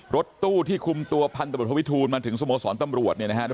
รถตู้ที่คุมตัวพันธุ์ตำรวจภูมิวิทูลมาถึงสมสรตำรวจนะครับ